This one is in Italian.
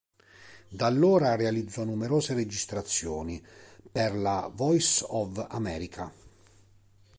Da allora realizzò numerose registrazioni per la Voice of America.